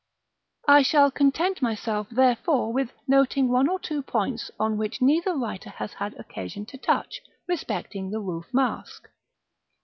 I shall content myself therefore with noting one or two points on which neither writer has had occasion to touch, respecting the Roof Mask.